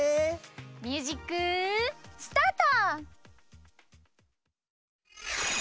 ミュージックスタート！